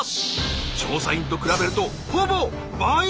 調査員と比べるとほぼ倍！